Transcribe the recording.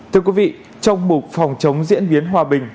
thưa quý vị trong mục phòng chống diễn biến hòa bình